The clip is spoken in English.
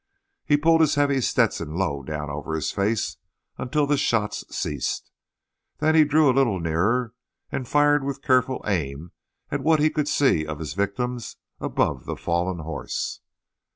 He pulled his heavy Stetson low down over his face until the shots ceased. Then he drew a little nearer, and fired with careful aim at what he could see of his victims above the fallen horse.